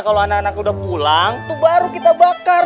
kalau anak anak udah pulang tuh baru kita bakar